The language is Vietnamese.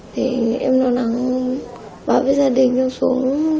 thì em non nắng báo với gia đình xuống tranh báo tại công an phường